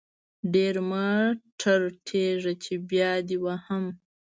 ډير مه ټرتيږه چې بيا دې وهم.